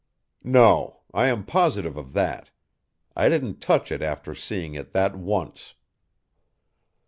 "No. I am positive of that. I didn't touch it after seeing it that once."